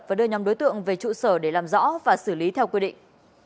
và đưa nhóm đối tượng về trụ sở để làm rõ và xử lý theo quy định